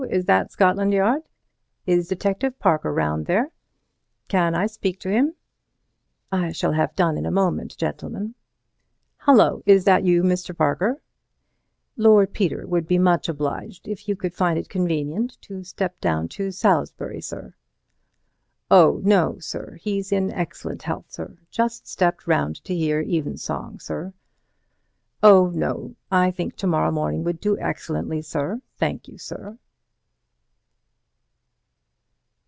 Is that Scotland Yard?—Is Detective Parker round there?—Can I speak to him?—I shall have done in a moment, gentlemen.—Hullo! is that you, Mr. Parker? Lord Peter would be much obliged if you could find it convenient to step down to Salisbury, sir. Oh, no, sir, he's in excellent health, sir—just stepped round to hear Evensong, sir—oh, no, I think to morrow morning would do excellently, sir, thank you, sir."